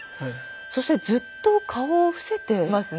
そしてずっと顔を伏せていますね。